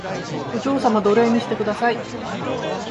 お嬢様奴隷にしてください